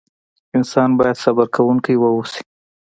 انسان بايد صبر کوونکی واوسئ.